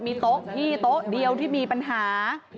มีโต๊ะพี่โต๊ะเดียวที่มีปัญหา